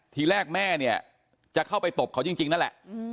ทีแรกแม่เนี่ยจะเข้าไปตบเขาจริงนั่นแหละ